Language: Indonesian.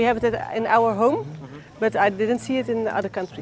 sekarang kami memiliki di rumah kami tapi saya tidak melihatnya di negara lain